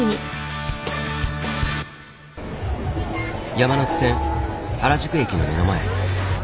山手線原宿駅の目の前。